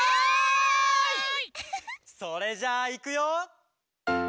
「それじゃあいくよ」